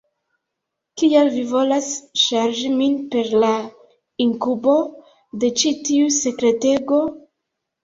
Kial vi volas ŝarĝi min per la inkubo de ĉi tiu sekretego?